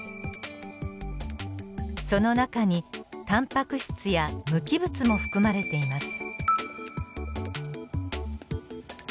その中にタンパク質や無機物も含まれています。